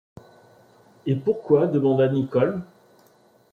Et pourquoi ? demanda Nicholl.